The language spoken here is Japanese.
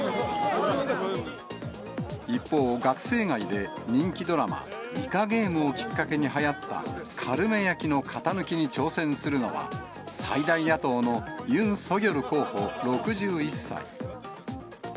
一方、学生街で人気ドラマ、イカゲームをきっかけにはやったカルメ焼きの型抜きに挑戦するのは、最大野党のユン・ソギョル候補６１歳。